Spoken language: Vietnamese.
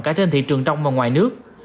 cả trên thị trường trong và ngoài nước